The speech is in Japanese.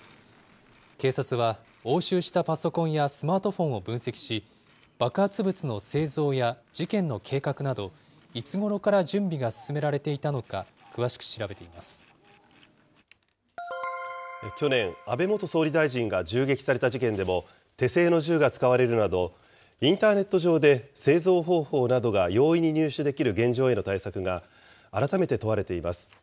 警察は、押収したパソコンやスマートフォンを分析し、爆発物の製造や事件の計画など、いつごろから準備が進められていたのか詳し去年、安倍元総理大臣が銃撃された事件でも、手製の銃が使われるなど、インターネット上で製造方法などが容易に入手できる現状への対策が改めて問われています。